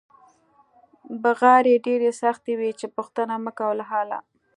بغارې ډېرې سختې وې چې پوښتنه مکوه له حاله.